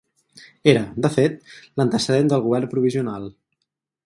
Era, de fet, l'antecedent del govern provisional.